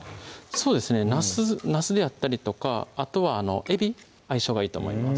そうですねなすであったりとかあとはえび相性がいいと思います